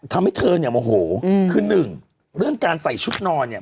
ทำให้เธอเนี่ยโมโหคือหนึ่งเรื่องการใส่ชุดนอนเนี่ย